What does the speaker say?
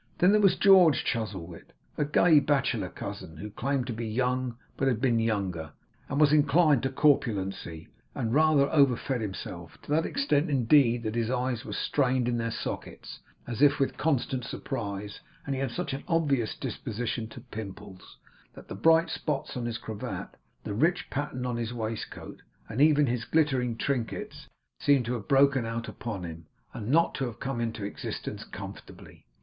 Then there was George Chuzzlewit, a gay bachelor cousin, who claimed to be young but had been younger, and was inclined to corpulency, and rather overfed himself; to that extent, indeed, that his eyes were strained in their sockets, as if with constant surprise; and he had such an obvious disposition to pimples, that the bright spots on his cravat, the rich pattern on his waistcoat, and even his glittering trinkets, seemed to have broken out upon him, and not to have come into existence comfortably.